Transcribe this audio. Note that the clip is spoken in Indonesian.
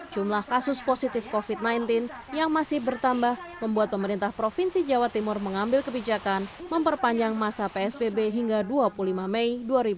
jumlah kasus positif covid sembilan belas yang masih bertambah membuat pemerintah provinsi jawa timur mengambil kebijakan memperpanjang masa psbb hingga dua puluh lima mei dua ribu dua puluh